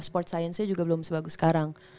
sport science nya juga belum sebagus sekarang